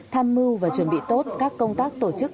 tham mưu và chuẩn bị tốt các công tác tổ chức